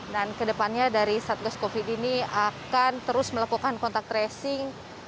dan ke depannya dari satgas covid sembilan belas ini akan terus melakukan kontak resing